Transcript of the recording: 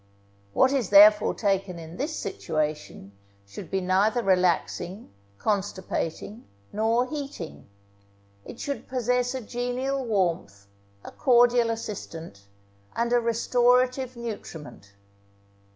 What is therefore taken in this situation should be neither relaxing, constipating, nor heating; it should possess a genial warmth, a cordial assistant, and a restorative nutriment.